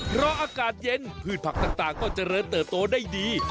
เพราะอากาศเย็นพืชผักต่างก็เจริญเติบโตได้ดี